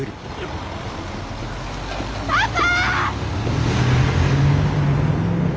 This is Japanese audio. パパ！